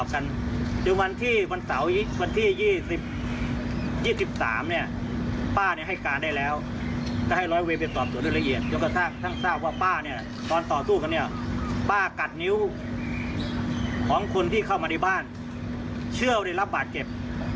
คนที่เข้ามาในบ้านเชื่อว่าได้รับบาดเจ็บ